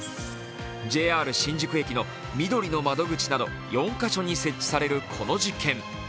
ＪＲ新宿駅のみどりの窓口など４か所に設置されるこの実験。